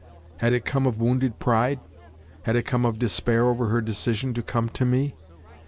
Had it come of wounded pride? Had it come of despair over her decision to come to me?